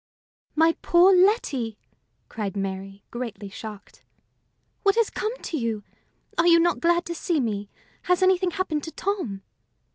"My poor Letty!" cried Mary, greatly shocked, "what has come to you? Are you not glad to see me? Has anything happened to Tom?"